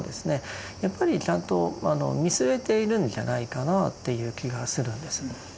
やっぱりちゃんと見据えているんじゃないかなという気がするんです。